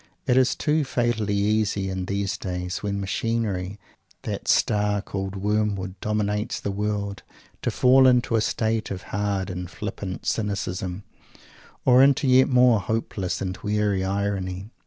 It is too fatally easy, in these days, when machinery that "Star called Wormwood" dominates the world, to fall into a state of hard and flippant cynicism, or into a yet more hopeless and weary irony.